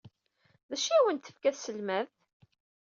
D acu ay awen-d-tefka tselmadt?